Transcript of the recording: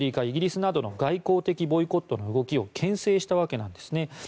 いギリスなどの外交的ボイコットの動きを牽制したわけなんですね。